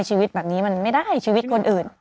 ชีวิตแบบนี้มันไม่ได้ชีวิตคนอื่น